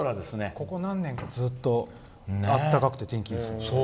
ここ何年かずっと暖かくて天気いいですね。